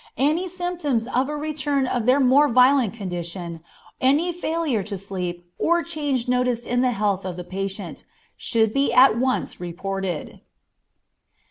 Any symptoms of a return of their more violent condition, any failure to sleep, or change noticed in the health of the patient, should be at once reported.